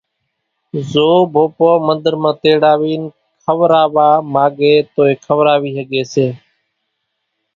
زو ڀوپو منۮر مان تيڙاوين کوراوا ماڳي توئي کوراوي ۿڳي سي۔